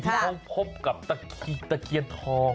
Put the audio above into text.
ที่เขาพบกับตะเคียนทอง